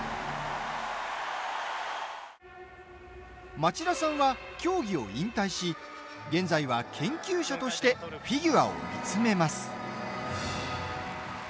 町田さんは、競技を引退し現在は研究者としてフィギュアを見つめます。